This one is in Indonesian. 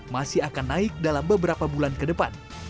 masih akan naik dalam beberapa bulan ke depan